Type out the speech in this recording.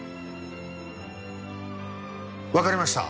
わかりました。